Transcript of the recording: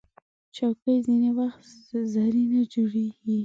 چوکۍ ځینې وخت زرینه جوړیږي.